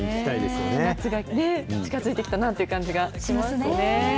近づいてきたなっていう感じがしますね。